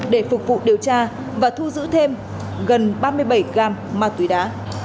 để phục vụ điều tra và thu giữ thêm gần ba mươi bảy gam ma túy đá